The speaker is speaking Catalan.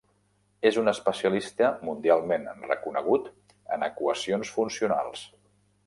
És un especialista mundialment reconegut en equacions funcionals.